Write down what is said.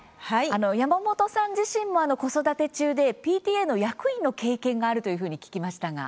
山本さん自身も、子育て中でＰＴＡの役員の経験があるというふうに聞きましたが？